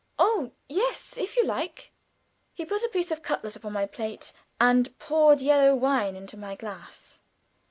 "Oh, yes, if you like." He put a piece of cutlet upon my plate, and poured yellow wine into my glass.